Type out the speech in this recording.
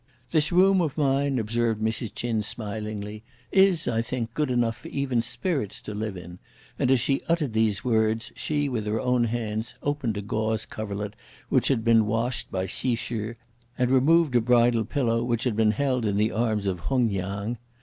"This room of mine," observed Mrs. Ch'in smilingly, "is I think, good enough for even spirits to live in!" and, as she uttered these words, she with her own hands, opened a gauze coverlet, which had been washed by Hsi Shih, and removed a bridal pillow, which had been held in the arms of Hung Niang.